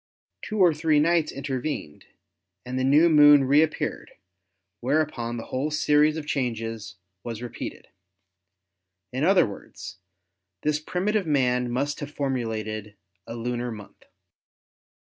Two or three nights inter vened and the new Moon reappeared, whereupon the whole THE MOON 165 series of changes was repeated. In other words, this primi tive man must have formulated a lunar month.